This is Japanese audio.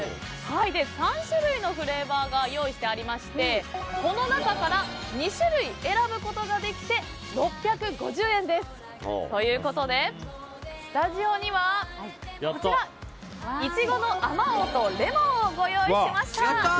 ３種類のフレーバーが用意してありましてこの中から２種類選ぶことができて６５０円です。ということで、スタジオにはイチゴのあまおうとレモンをご用意しました。